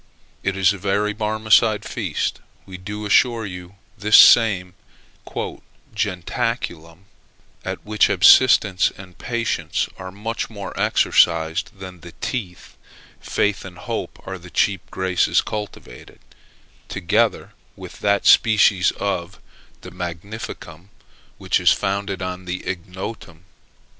It is a very Barmecide feast, we do assure you this same "jentaculum;" at which abstinence and patience are much more exercised than the teeth: faith and hope are the chief graces cultivated, together with that species of the magnificum which is founded on the ignotum.